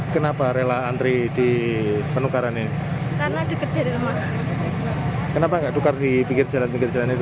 kenapa nggak dukar di pinggir jalan pinggir jalan itu